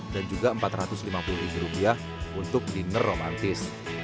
dan juga empat ratus lima puluh rupiah untuk dinner romantis